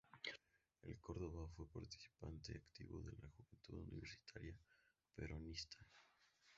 En Córdoba fue participante activo de la Juventud Universitaria Peronista.